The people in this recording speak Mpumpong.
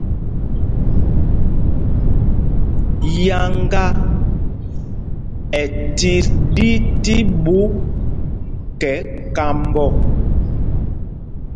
Yáŋga ɛ tit ɗí tí ɓu kɛ kamb ɔ.